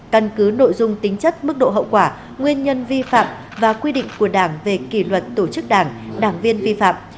căn cứ nội dung tính chất mức độ hậu quả nguyên nhân vi phạm và quy định của đảng về kỷ luật tổ chức đảng đảng viên vi phạm